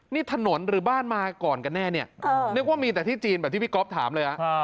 นี่ถนนหรือบ้านมาก่อนกันแน่เนี่ยนึกว่ามีแต่ที่จีนแบบที่พี่ก๊อฟถามเลย